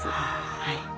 はい。